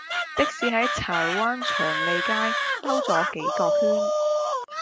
的士喺柴灣祥利街兜左幾個圈